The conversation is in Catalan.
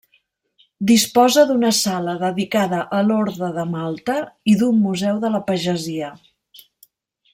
Disposa d'una sala dedicada a l'Orde de Malta i d'un museu de la pagesia.